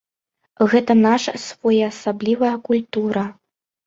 Гэта наша своеасаблівая культура.